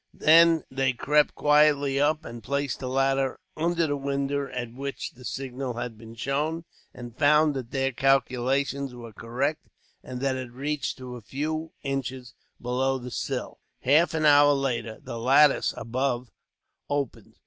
Then they crept quietly up, and placed the ladder under the window at which the signal had been shown; and found that their calculations were correct, and that it reached to a few inches below the sill. Half an hour later, the lattice above opened.